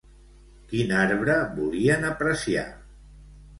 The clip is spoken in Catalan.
Quin arbre volien apreciar?